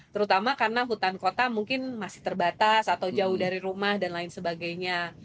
terutama karena hutan kota mungkin masih terbatas atau jauh dari rumah dan lain sebagainya